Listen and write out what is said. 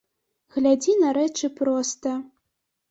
Глядзі на рэчы проста.